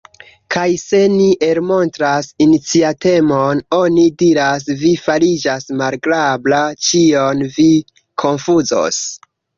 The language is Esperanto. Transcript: Kaj se ni elmontras iniciatemon oni diras: Vi fariĝas malagrabla, ĉion vi konfuzos.